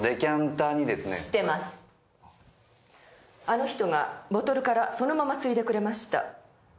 あの人がボトルからそのまま注いでくれました。